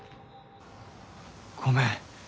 ごめん。